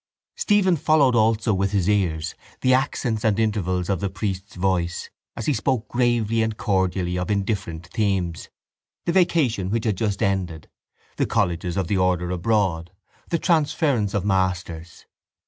Stephen followed also with his ears the accents and intervals of the priest's voice as he spoke gravely and cordially of indifferent themes, the vacation which had just ended, the colleges of the order abroad, the transference of masters.